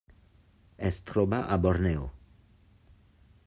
Es troba a Borneo.